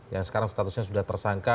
yang sekarang statusnya sudah tersangka